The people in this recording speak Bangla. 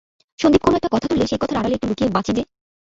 সন্দীপ কোনো-একটা কথা তুললে সেই কথার আড়ালে একটু লুকিয়ে বাঁচি যে।